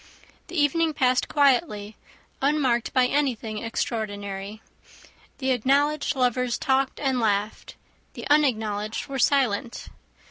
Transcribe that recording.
The evening passed quietly, unmarked by anything extraordinary. The acknowledged lovers talked and laughed; the unacknowledged were silent.